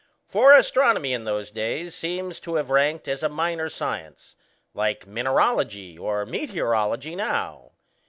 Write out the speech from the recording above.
For astronomy in those days seems to have ranked as a minor science, like mineralogy or meteorology now.